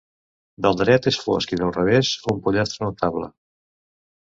Del dret és fosc i del revés un pollastre notable.